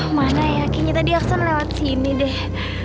mana yakini tadi aksen lewat sini deh